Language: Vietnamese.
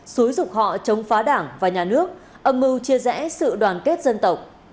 xúi rục họ chống phá đảng và nhà nước âm mưu chia rẽ sự đoàn kết dân tộc